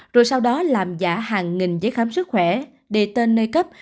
rồi sau đó làm giả hàng nghìn giấy khám sức khỏe để tên nơi cấp